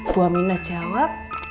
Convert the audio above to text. buah minah jawab